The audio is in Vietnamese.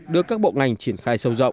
đưa các bộ ngành triển khai sâu rộng